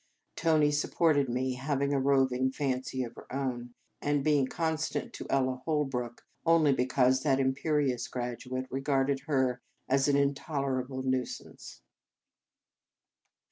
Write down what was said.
Tony supported me, having a roving fancy of her own, and being constant to Ella Holrook, only because that imperious graduate regarded her as an intolerable nuisance.